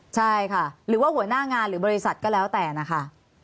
ใช่ค่ะหรือว่าหัวหน้างานหรือบริษัทก็แล้วแต่นะคะ